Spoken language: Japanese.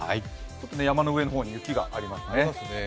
山の上の方に雪がありますね。